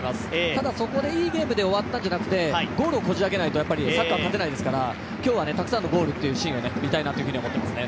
ただ、そこでいいゲームで終わったんじゃなくて、ゴールをこじあけないとサッカーは勝てないですから、今日はたくさんのゴールというシーンが見たいですね。